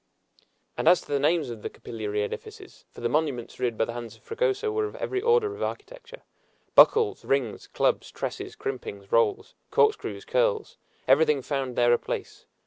And as to the names of the capillary edifices for the monuments reared by the hands of Fragoso were of every order of architecture buckles, rings, clubs, tresses, crimpings, rolls, corkscrews, curls, everything found there a place.